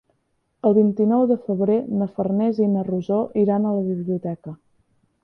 El vint-i-nou de febrer na Farners i na Rosó iran a la biblioteca.